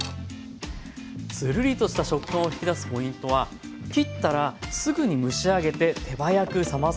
つるりとした食感を引き出すポイントは切ったらすぐに蒸し上げて手早く冷ますことです。